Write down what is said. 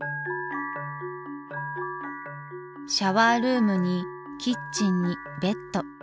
シャワールームにキッチンにベッド。